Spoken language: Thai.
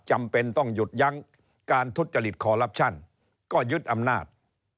จำเป็นต้องหยุดยั้งการทุจริตคอลลับชั่นก็ยึดอำนาจ